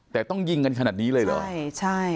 แต่ต้องยิงกันขนาดนี้เลยเหรอ